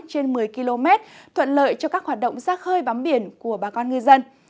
trên một mươi km thuận lợi cho các hoạt động giác hơi bắm biển của bà con người dân